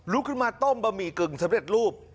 ขึ้นมาต้มบะหมี่กึ่งสำเร็จรูป